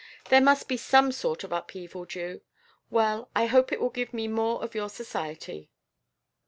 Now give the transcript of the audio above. There must be some sort of upheaval due. Well, I hope it will give me more of your society."